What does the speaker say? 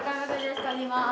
帰ります。